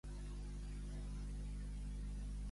De què li servien els collages?